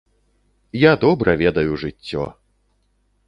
Я добра ведаю жыццё!